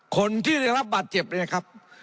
คนที่ได้รับบาดเจ็บเนี่ยครับ